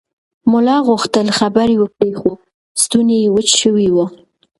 ملا غوښتل خبرې وکړي خو ستونی یې وچ شوی و.